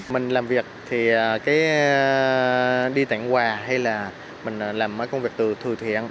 mình làm việc thì đi tặng quà hay là mình làm mấy công việc từ thừa thiện